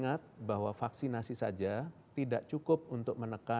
ingat bahwa vaksinasi saja tidak cukup untuk menekan